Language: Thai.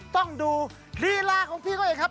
ต้องดูลีลาของพี่เขาเองครับ